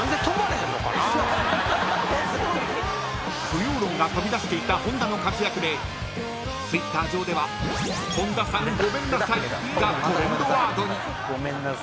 ［不要論が飛び出していた本田の活躍でＴｗｉｔｔｅｒ上では「本田さんごめんなさい」がトレンドワードに］